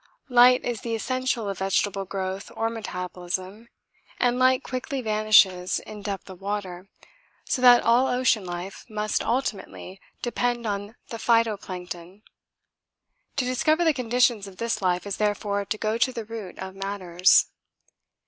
Light is the essential of vegetable growth or metabolism, and light quickly vanishes in depth of water, so that all ocean life must ultimately depend on the phyto plankton. To discover the conditions of this life is therefore to go to the root of matters.